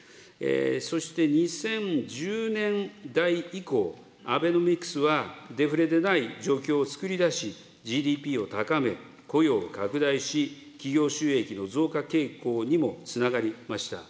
そして２０１０年代以降、アベノミクスはデフレでない状況を作り出し、ＧＤＰを高め、雇用を拡大し、企業収益の増加傾向にもつながりました。